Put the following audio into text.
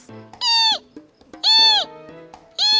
ii ii ii